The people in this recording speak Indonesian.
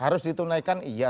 hanya menunaikan iya